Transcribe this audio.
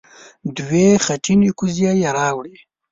دوې خټينې کوزې يې راوړې.